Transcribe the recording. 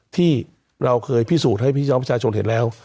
ที่เราเคยพิสูจน์ให้พี่น้องประชาชนเห็นแล้ว